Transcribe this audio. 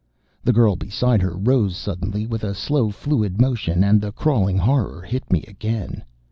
The girl beside her rose suddenly with a slow, fluid motion. And the crawling horror hit me again....